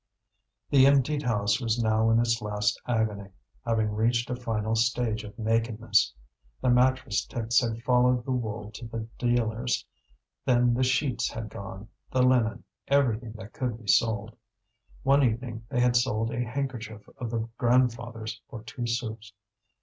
The emptied house was now in its last agony, having reached a final stage of nakedness. The mattress ticks had followed the wool to the dealers; then the sheets had gone, the linen, everything that could be sold. One evening they had sold a handkerchief of the grandfather's for two sous.